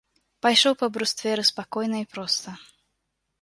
Пайшоў па брустверы спакойна і проста.